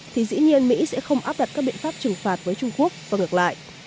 thì dĩ nhiên mỹ sẽ không áp đặt các biện pháp trừng phạt với trung quốc và ngược lại